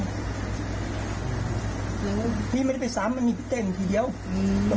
พี่ไม่ได้ไปซ้ำมันมีพี่เต้นทีเดียวอืม